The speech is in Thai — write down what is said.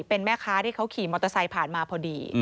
เป็นแม่ค้าที่เขาขี่มอเตอร์ไซค์ผ่านมาพอดี